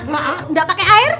nggak pakai air